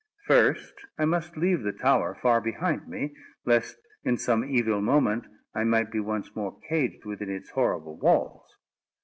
First, I must leave the tower far behind me, lest, in some evil moment, I might be once more caged within its horrible walls.